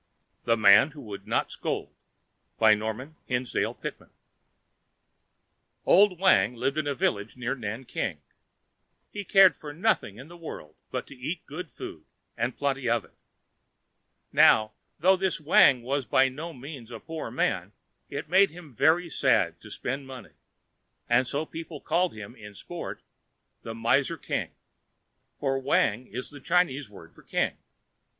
THE MAN WHO WOULD NOT SCOLD Old Wang lived in a village near Nanking. He cared for nothing in the world but to eat good food and plenty of it. Now, though this Wang was by no means a poor man, it made him very sad to spend money, and so people called him in sport, the Miser King, for Wang is the Chinese word for king.